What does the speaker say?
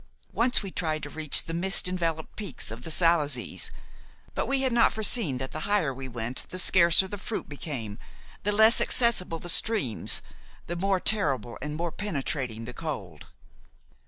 Once we tried to reach the mist enveloped peaks of the Salazes; but we had not foreseen that the higher we went the scarcer the fruit became, the less accessible the streams, the more terrible and more penetrating the cold.